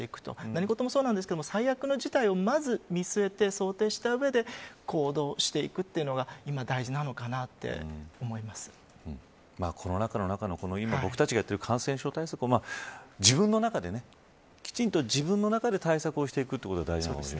何事もそうなんですが最悪の事態をまず見据えて想定した上で行動していくというのがコロナ禍の中の今僕たちがやっている感染症対策を自分の中で、きちんと対策をしていくのが大事だと思います。